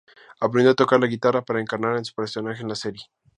Aprendió a tocar la guitarra para encarnar a su personaje en la serie.